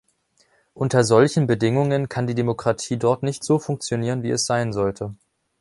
Unter solchen Bedingungen kann die Demokratie dort nicht so funktionieren, wie es sein sollte.